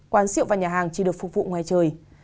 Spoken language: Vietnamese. quán rượu và nhà hàng chỉ được phục vụ ngoài trời